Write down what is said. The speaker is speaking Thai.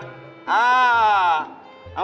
ครับอา